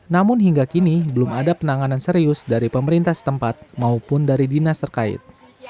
namun hingga kini belum ada penanganan serius dari pemerintah setempat maupun dari dinas terkait